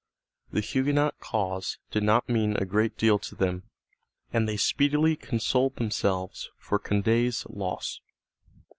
The Huguenot cause did not mean a great deal to them, and they speedily consoled themselves for Condé's loss.